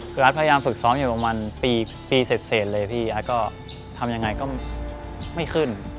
คือรัฐพยายามฝึกซ้อมอยู่ประมาณปีเสร็จเลยพี่อัดก็ทำยังไงก็ไม่ขึ้น